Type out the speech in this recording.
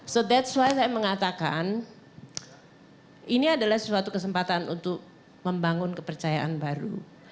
so that's why saya mengatakan ini adalah suatu kesempatan untuk membangun kepercayaan baru